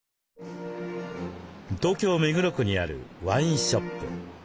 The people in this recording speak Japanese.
東京・目黒区にあるワインショップ。